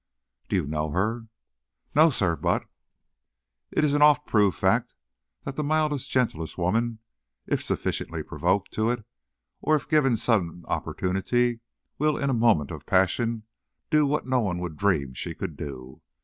"Do you know her?" "No, sir; but " "It is an oft proven fact that the mildest, gentlest woman, if sufficiently provoked to it, or if given a sudden opportunity, will in a moment of passion do what no one would dream she could do!